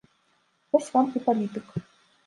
Вось вам і палітык.